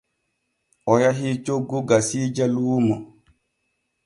O yahi coggu gasiije luumo.